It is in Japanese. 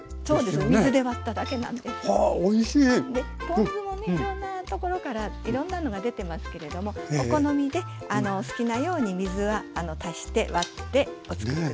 ポン酢もねいろんなところからいろんなのが出てますけれどもお好みでお好きなように水は足して割ってお作り下さい。